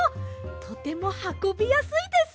とてもはこびやすいです！